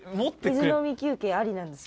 水飲み休憩ありなんですよ。